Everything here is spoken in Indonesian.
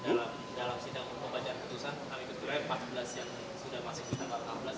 dalam sidang pembacaan keputusan amikus kure empat belas yang sudah masih di tambah